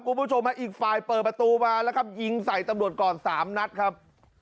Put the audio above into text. คุณผู้ชมฮะอีกฝ่ายเปิดประตูมาแล้วครับยิงใส่ตำรวจก่อน๓นัดครับ